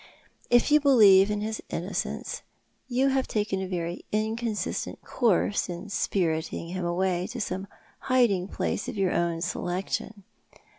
If you believe in his innocence, you have taken a very inconsistent course in spirit ing him away to some hiding place of your own selection.